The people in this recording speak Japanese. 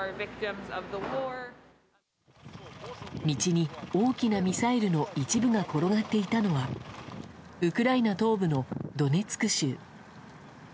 道に大きなミサイルの一部が転がっていたのはウクライナ東部のドネツク州。